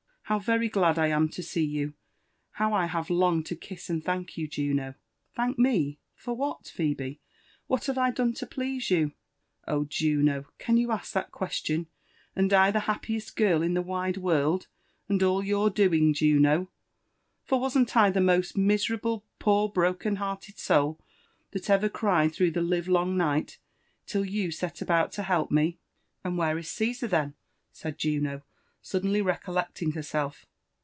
'' How very ^ad I am to see you !— ^how I have longed to kiss and thank you, Juno 1" "Thank me— for what, Phebe? — ^what haye I done to please you ?"Oh, Juno !— can you ask that question, and I the happiest giri in the wide world, and all your doing, Juno ; for wasn't I the most miserable^ poor broken hearted soul that eyer cried through the lire long night, till you set about to help me ?"*' And where is Cesar, then ?" said Juno, suddenly recollectiiig herself.